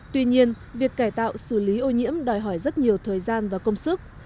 tuy nhiên việc cải tạo xử lý ô nhiễm đòi hỏi rất nhiều thời gian và công sức